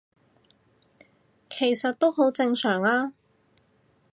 其實都正常吖